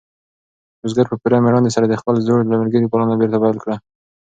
بزګر په پوره مېړانې سره د خپل زوړ ملګري پالنه بېرته پیل کړه.